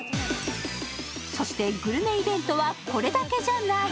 そしてグルメイベントはこれだけじゃない。